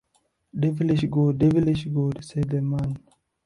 ‘Devilish good — devilish good,’ said the man.